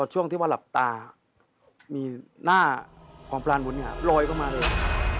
หน้าของพลานบุญลอยเข้ามาเลย